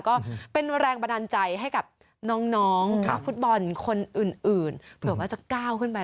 ก็เป็นแรงบันดาลใจให้กับน้องนักฟุตบอลคนอื่นเผื่อว่าจะก้าวขึ้นไป